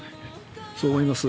そう思います。